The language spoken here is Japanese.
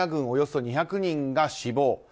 およそ２００人が死亡。